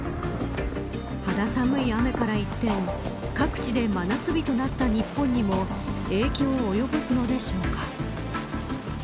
肌寒い雨から一転各地で真夏日となった日本にも影響を及ぼすのでしょうか。